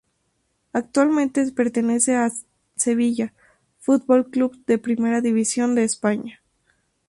Actualmente pertenece al Sevilla Fútbol Club de Primera División de España.